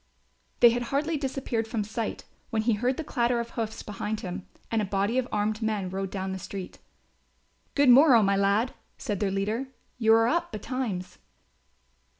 They had hardly disappeared from sight, when he heard the clatter of hoofs behind him and a body of armed men rode down the street. "Good morrow, my lad," said their leader, "you are up betimes."